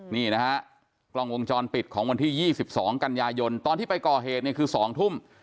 นี่นะฮะกล้องวงจรปิดของวันที่๒๒กันยายนตอนที่ไปก่อเหตุเนี่ยคือ๒ทุ่ม